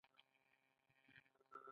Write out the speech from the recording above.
اسناد باید ډیجیټل شي